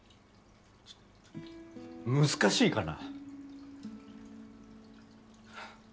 難しいかな？